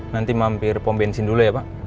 nanti mampir pom bensin dulu ya pak